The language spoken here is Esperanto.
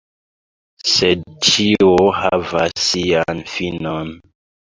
Sed ĉio havas sian finon.